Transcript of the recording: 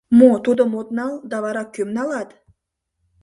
— Мо, тудым от нал да вара кӧм налат?